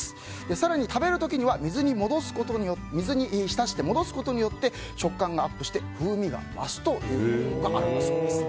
更に食べる時には水に浸して戻すことによって食感がアップして風味が増すということがあるんだそうです。